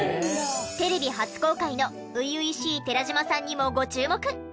テレビ初公開の初々しい寺島さんにもご注目！